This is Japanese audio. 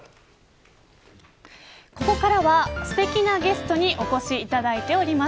ここからは、すてきなゲストにお越しいただいております。